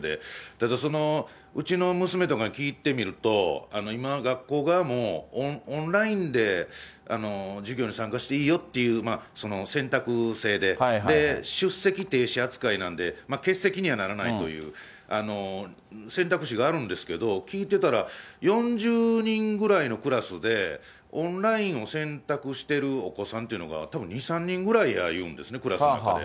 ただ、うちの娘とかに聞いてみると、今の学校側もオンラインで授業に参加していいよって、選択制で、出席停止扱いなんで、欠席にはならないという選択肢があるんですけど、聞いてたら４０人ぐらいのクラスで、オンラインを選択してるお子さんというのが、たぶん２、３人ぐらいやいうんですね、クラスの中で。